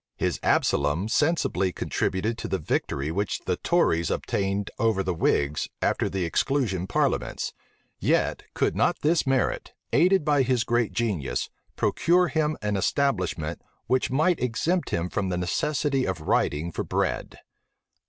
His Absalom sensibly contributed to the victory which the tories obtained over the whigs, after the exclusion parliaments; yet could not this merit, aided by his great genius, procure him an establishment which might exempt him from the necessity of writing for bread.